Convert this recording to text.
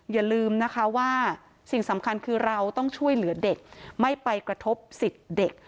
อย่าลืมนะคะว่าสิ่งสำคัญคือเราต้องช่วยเหลือเด็กไม่ไปกระทบสิทธิ์เด็ก